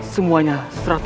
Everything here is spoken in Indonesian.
semuanya seratus kp nih